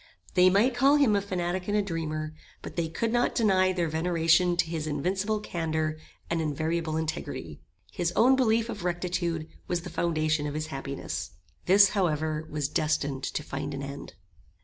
They might call him a fanatic and a dreamer, but they could not deny their veneration to his invincible candour and invariable integrity. His own belief of rectitude was the foundation of his happiness. This, however, was destined to find an end.